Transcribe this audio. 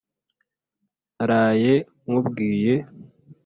naraye nkubwiye